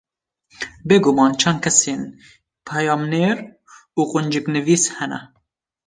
Bêguman çend kesên peyamnêr û qunciknivîs hene